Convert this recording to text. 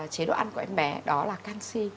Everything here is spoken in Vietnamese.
chế độ ăn của em bé đó là canxi